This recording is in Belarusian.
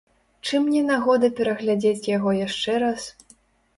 Чым не нагода пераглядзець яго яшчэ раз?